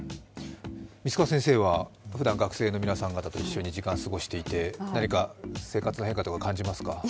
満倉先生はふだん学生の皆さん方と、時間を過ごしていて何か生活の変化とか感じていますか。